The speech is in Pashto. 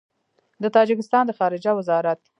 د تاجکستان د خارجه وزارت